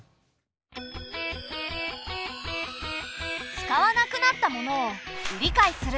使わなくなった物を売り買いする